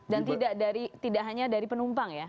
dan tidak hanya dari penumpang ya